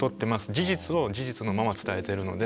事実を事実のまま伝えてるので。